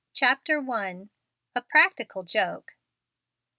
CHAPTER I. A PRACTICAL JOKE.